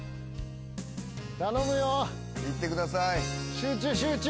集中集中！